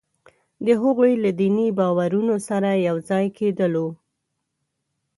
د هغوی له دیني باورونو سره یو ځای کېدلو وو.